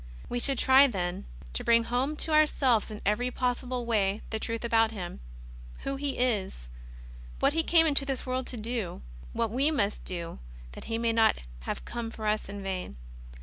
We should try, then, to bring home to ourselves in every possible way the truth about Him — Who He is; what He came into this world to do; what we must do that He may not have come for us in vain.